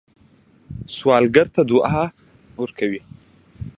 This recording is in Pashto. سوالګر ته دعا ورکوئ